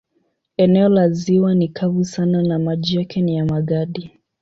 Eneo la ziwa ni kavu sana na maji yake ni ya magadi.